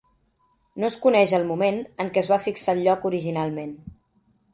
No es coneix el moment en què es va fixar el lloc originalment.